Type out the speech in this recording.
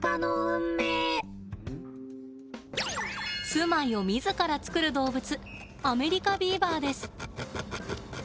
住まいを自ら作る動物アメリカビーバーです。